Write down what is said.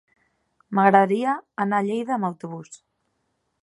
M'agradaria anar a Lleida amb autobús.